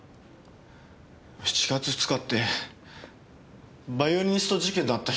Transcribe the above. ７月２日ってバイオリニスト事件のあった日ですよね？